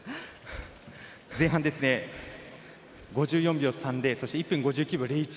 前半、５４秒３でそして１分５９秒２１。